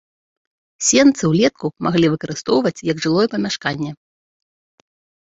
Сенцы ўлетку маглі выкарыстоўваць як жылое памяшканне.